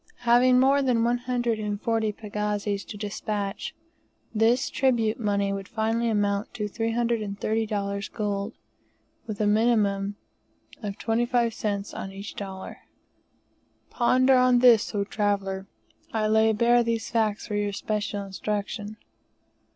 Having more than one hundred and forty pagazis to despatch, this tribute money would finally amount to $330 in gold, with a minimum of 25c. on each dollar. Ponder on this, O traveller! I lay bare these facts for your special instruction.